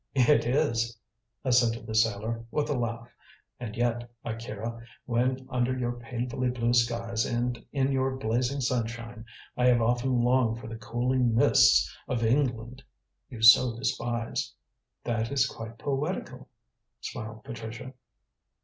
"It is," assented the sailor, with a laugh. "And yet, Akira, when under your painfully blue skies and in your blazing sunshine, I have often longed for the cooling mists of England you so despise." "That is quite poetical," smiled Patricia.